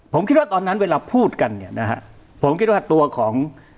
ผมคิดว่าตอนนั้นเวลาพูดกันเนี่ยนะฮะผมคิดว่าตัวของ